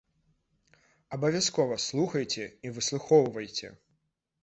Абавязкова слухайце і выслухоўвайце!